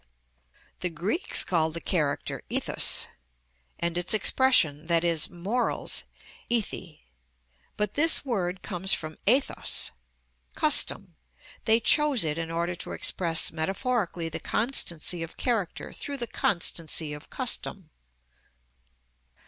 The Greeks called the character ηθος, and its expression, i.e., morals, ηθη. But this word comes from εθος, custom; they chose it in order to express metaphorically the constancy of character through the constancy of custom.